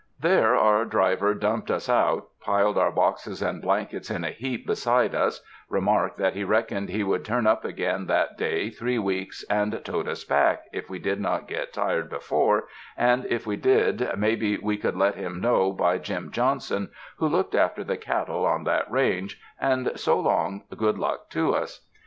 There our driver dumped us out, piled our boxes and blankets in a heap beside us, remarked that he reckoned he would turn up again that day three weeks and tote us back, if we did not get tired be fore, and if we did maybe we could let him know 12 THE DESERTS by Jim Johnson who looked after the cattle on that range, and so long, good luck to us.